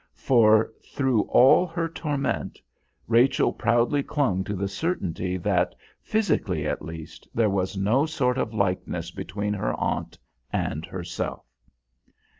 For, through all her torment, Rachel proudly clung to the certainty that, physically at least, there was no sort of likeness between her aunt and herself.